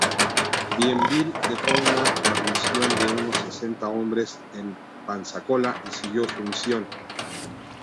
Bienville dejó una guarnición de unos sesenta hombres en Pensacola y siguió su misión.